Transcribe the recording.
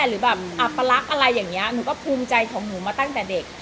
หรือแบบอัปลักษณ์อะไรอย่างนี้หนูก็ภูมิใจของหนูมาตั้งแต่เด็ก